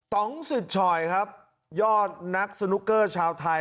ต้องศึกชอยครับยอดนักสนุกเกอร์ชาวไทย